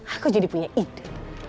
aku jadi punya ide